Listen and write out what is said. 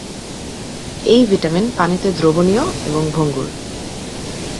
এই ভিটামিন পানিতে দ্রবণীয় এবং ভঙ্গুর।